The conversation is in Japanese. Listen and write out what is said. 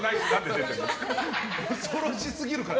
恐ろしすぎるから。